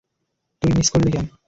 তুই মিস করলি কেন?